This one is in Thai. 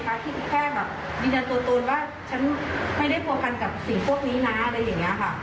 คิดแค่แบบดินันตัวตนว่าฉันไม่ได้ประพันธ์กับสิ่งพวกนี้นะอะไรอย่างนี้ค่ะ